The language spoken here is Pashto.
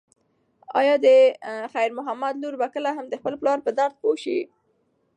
ایا د خیر محمد لور به کله د خپل پلار په درد پوه شي؟